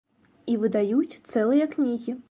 І выдаюць цэлыя кнігі.